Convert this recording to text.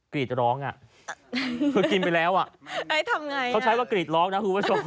กรีดร้องอะเขากินไปแล้วอะเขาใช้ว่ากรีดร้องนะ